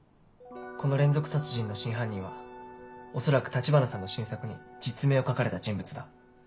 この連続殺人の真犯人は恐らく橘さんの新作に実名を書かれた人物だ。